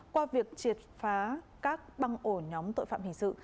qua việc triệt phá các băng ổ nhóm tội phạm hình sự